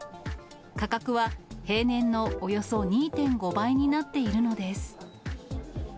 価格は平年のおよそ２．５倍になっているのです。